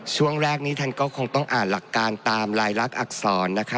ช่วงแรกนี้ท่านก็คงต้องอ่านหลักการตามลายลักษณอักษรนะคะ